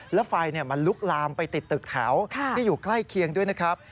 แล้วไฟมันลุกลามไปติดตึกแถวที่อยู่ใกล้เคียงด้วยนะครับ